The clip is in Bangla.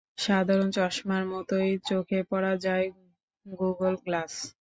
সাধারণ চশমার মতোই চোখে পরা যায় গুগল গ্লাস।